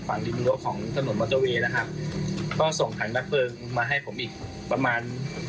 ดินทะลุของถนนมอเตอร์เวย์นะครับก็ส่งถังดับเพลิงมาให้ผมอีกประมาณ